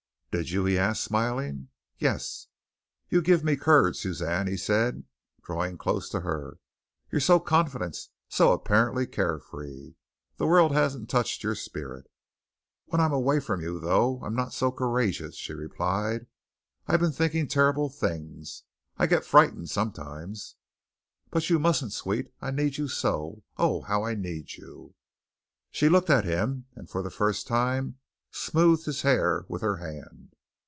"Did you?" he asked, smiling. "Yes." "You give me courage, Suzanne," he said, drawing close to her. "You're so confident, so apparently carefree. The world hasn't touched your spirit." "When I'm away from you, though, I'm not so courageous," she replied. "I've been thinking terrible things. I get frightened sometimes." "But you mustn't, sweet, I need you so. Oh, how I need you." She looked at him, and for the first time smoothed his hair with her hand.